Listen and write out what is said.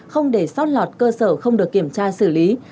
không để sót lọt cơ sở không được kiểm tra xử lý